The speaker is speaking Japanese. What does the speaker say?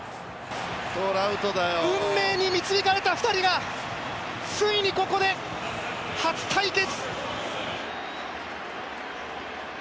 運命に導かれた２人が、ついにここで初対決！